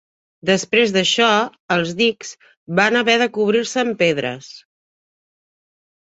Després d'això els dics van haver cobrir-se amb pedres.